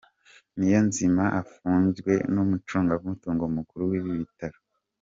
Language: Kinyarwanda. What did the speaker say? Niyonzima afunganywe n’umucungamutungo mukuru w’ibi bitaro.